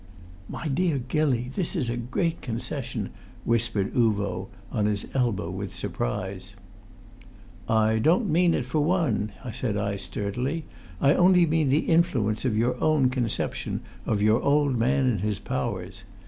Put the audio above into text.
"My dear Gilly, this is a great concession," whispered Uvo, on his elbow with surprise. "I don't mean it for one," said I sturdily. "I only mean the influence of your own conception of your old man and his powers.